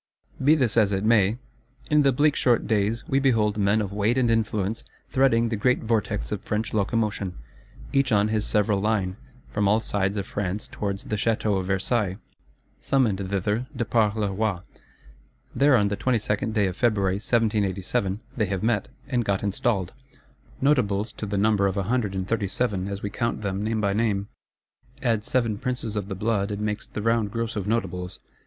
Be this as it may, in the bleak short days, we behold men of weight and influence threading the great vortex of French Locomotion, each on his several line, from all sides of France towards the Château of Versailles: summoned thither de par le roi. There, on the 22d day of February 1787, they have met, and got installed: Notables to the number of a Hundred and Thirty seven, as we count them name by name: add Seven Princes of the Blood, it makes the round Gross of Notables.